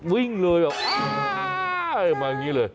วิ่งเลยแบบมาอย่างนี้เลย